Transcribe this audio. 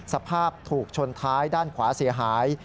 สภาพถูกชนท้ายด้านขวาเสียหาย